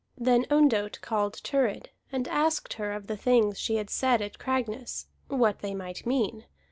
Then Ondott called Thurid, and asked her of the things she had said at Cragness, what they might mean.